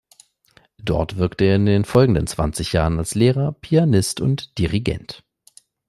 Dort wirkte er in den folgenden zwanzig Jahren als Lehrer, Pianist und Dirigent.